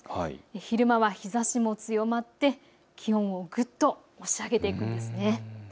昼間は日ざしも強まって気温をぐっと押し上げていきます。